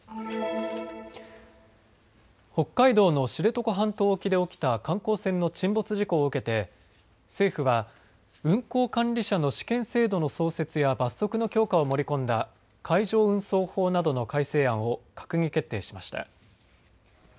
北海道の知床半島沖で起きた観光船の沈没事故を受けて政府は運航管理者の試験制度の創設や罰則の強化を盛り込んだ海上運送法などの改正案を閣議決定しました。